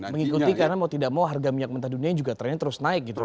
mengikuti karena mau tidak mau harga minyak mentah dunia juga trennya terus naik gitu